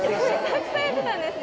たくさんやってたんですね。